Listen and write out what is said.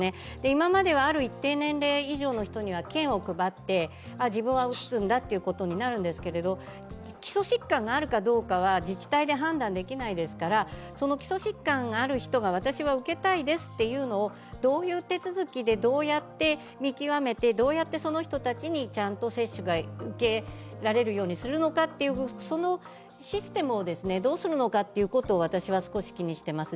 今まではある一定年齢以上の人には券を配って、自分は打つんだということになるんですけれども基礎疾患があるかどうかは自治体で判断できないですから、基礎疾患がある人が、私は受けたいですというのをどういう手続きでどうやって見極めてどうやってその人たちにちゃんと接種が受けられるようにするのかという、そのシステムをどうするのかを私は少し気にしています。